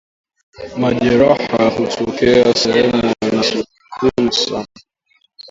Majeraha hutokea sehemu anazojikuna sana